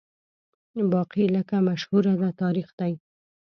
باقي لکه مشهوره ده تاریخ دی